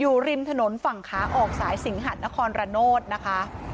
อยู่ริมถนนฝั่งขาออกสายสิงหัดนครระโนธนะคะ